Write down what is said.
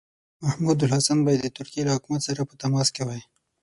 محمودالحسن باید د ترکیې له حکومت سره په تماس کې وای.